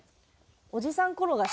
おじさん転がし。